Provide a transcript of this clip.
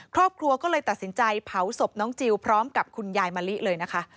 ครอบครัวก็เลยตัดสินใจเผาศพน้องจิลพร้อมกับคุณยายมะลิเลยนะคะ